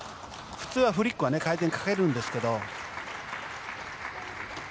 普通はフリックは回転かけるんですけど。